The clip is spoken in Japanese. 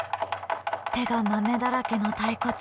手がまめだらけの太鼓長。